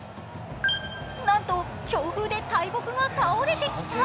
なんと強風で大木が倒れてきた。